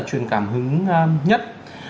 truyền cảm hứng nhất